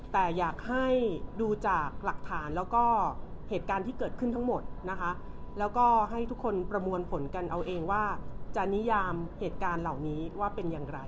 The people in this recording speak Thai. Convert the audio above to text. แต่อยากให้ดูจากหลักฐานแล้วก็เหตุการณ์ที่เกิดขึ้นทั้งหมดนะคะแล้วก็ให้ทุกคนประมวลผลกันเอาเองว่าจะนิยามเหตุการณ์เหล่านี้ว่าเป็นอย่างไร